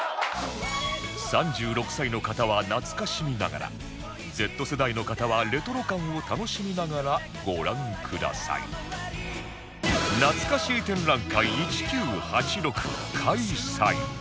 ３６歳の方は懐かしみながら Ｚ 世代の方はレトロ感を楽しみながらご覧ください開催